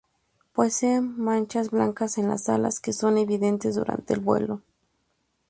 Posee manchas blancas en las alas, que son evidentes durante el vuelo.